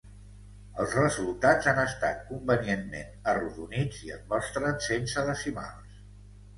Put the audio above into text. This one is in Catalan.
Els resultats han estat convenientment arrodonits i es mostren sense decimals.